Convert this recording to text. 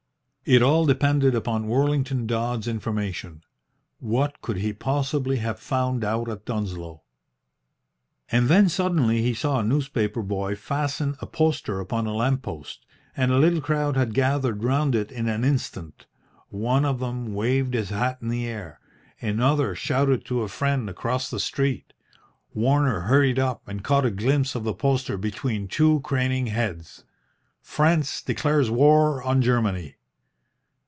It all depended upon Worlington Dodds's information. What could he possibly have found out at Dunsloe? And then suddenly he saw a newspaper boy fasten a poster upon a lamp post, and a little crowd had gathered round it in an instant One of them waved his hat in the air; another shouted to a friend across the street. Warner hurried up and caught a glimpse of the poster between two craning heads "FRANCE DECLARES WAR ON GERMANY."